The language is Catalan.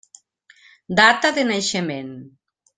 Data de naixement.